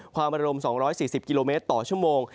ความระดม๒๔๐กิโลเมตรต่อชั่วโมง